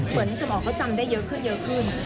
สมองเขาจำได้เยอะขึ้นเยอะขึ้น